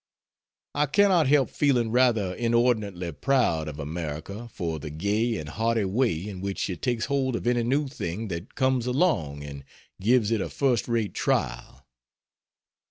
I cannot help feeling rather inordinately proud of America for the gay and hearty way in which she takes hold of any new thing that comes along and gives it a first rate trial.